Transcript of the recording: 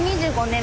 ２５年？